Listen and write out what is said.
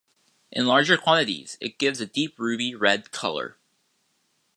In larger quantities, it gives a deep ruby red colour.